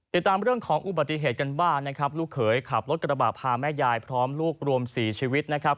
ติดตามเรื่องของอุบัติเหตุกันบ้างนะครับลูกเขยขับรถกระบะพาแม่ยายพร้อมลูกรวม๔ชีวิตนะครับ